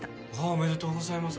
おめでとうございます。